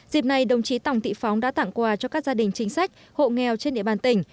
dịp này đồng chí tòng thị phóng đã tặng quà cho các gia đình chính sách hộ nghèo trên địa bàn tỉnh